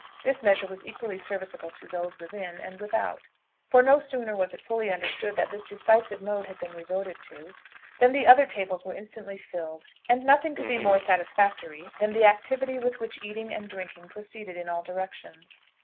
This measure was equally serviceable to those within and without; for no sooner was it fully understood that this decisive mode had been resorted to, than the other tables were instantly filled, and nothing could be more satisfactory than the activity with which eating and drinking proceeded in all directions.